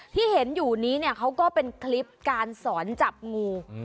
ที่เห็นอยู่นี้เนี่ยเขาก็เป็นคลิปการสอนจับงู